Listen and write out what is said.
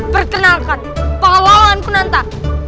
perkenalkan pahlawanku nanta